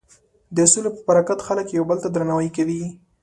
د سولې په برکت خلک یو بل ته درناوی کوي.